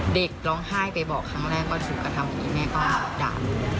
เด็กร้องไห้ไปบอกครั้งแรกว่าหนูกระทำอย่างนี้แม่ก็ด่า